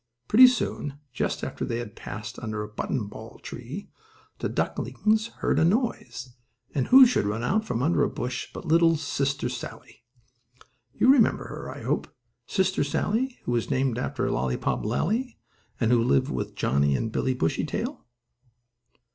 Pretty soon, just after they had passed under a buttonball tree, the ducklings heard a noise, and who should run out from under a bush but little Sister Sallie. You remember her, I hope; Sister Sallie, who was named after Lolly pop Lally, and who lived with Johnnie and Billie Bushytail.